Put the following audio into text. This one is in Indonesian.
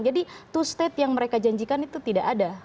jadi two state yang mereka janjikan itu tidak ada